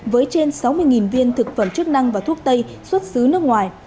với trên sáu mươi viên thực phẩm chức năng và thuốc tây xuất xứ nước ngoài